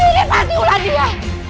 ini pasti ulan dia